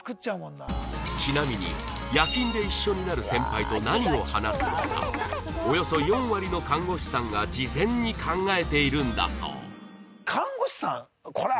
ちなみに夜勤で一緒になる先輩と何を話すのかおよそ４割の看護師さんが事前に考えているんだそう